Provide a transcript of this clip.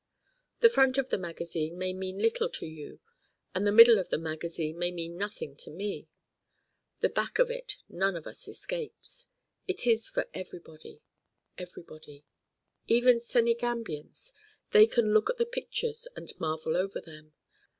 The front of the magazine may mean little to you and the middle of the magazine may mean nothing to me: the Back of it none of us escapes. It is for Everybody, Everybody. Even Senegambians: they can look at the pictures and marvel over them.